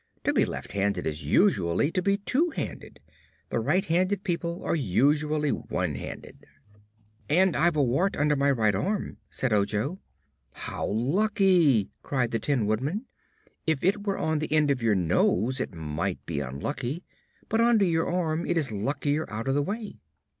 "To be left handed is usually to be two handed; the right handed people are usually one handed." "And I've a wart under my right arm," said Ojo. "How lucky!" cried the Tin Woodman. "If it were on the end of your nose it might be unlucky, but under your arm it is luckily out of the way."